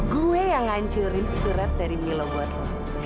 gue yang ngancurin surat dari milo buat lo